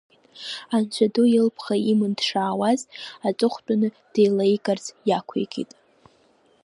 Анцәа ду илыԥха иман дшаауаз, аҵыхәтәаны деилеигарц иақәикит.